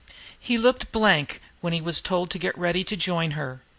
He looked very blank when he was told to get ready to join her.